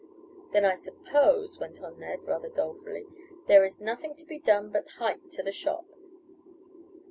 "Then I suppose," went on Ned, rather dolefully, "there is nothing to be done but 'hike' to the shop."